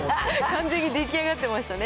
完全に出来上がってましたね。